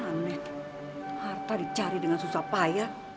aneh harta dicari dengan susah payah